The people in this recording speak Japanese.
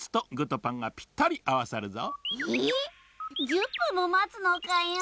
１０ぷんもまつのかよ。